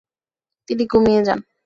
তিনি ঘুমিয়ে যান।